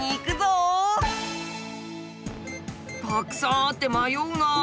たくさんあって迷うな。